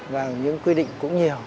và những quy định cũng nhiều